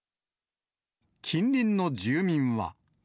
近隣の住民は。